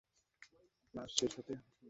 সুন্দর লাগছে আপনাকে বেগম।